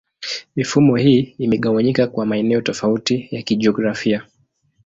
Mifumo hii imegawanyika kwa maeneo tofauti ya kijiografia.